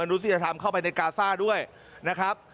มนุษยศาสตร์เข้าไปกาซาด้วยนะครับ